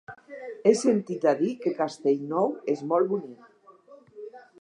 He sentit a dir que Castellnou és molt bonic.